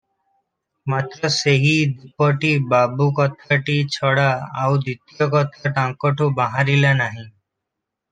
ମାତ୍ର ସେହି ଡିପୋଟି ବାବୁ କଥାଟି ଛଡ଼ା ଆଉ ଦ୍ୱିତୀୟ କଥା ତାଙ୍କଠୁ ବାହାରିଲା ନାହିଁ ।